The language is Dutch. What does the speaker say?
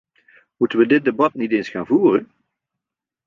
Moeten we dit debat niet eens gaan voeren?